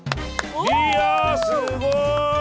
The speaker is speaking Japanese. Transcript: いやすごい！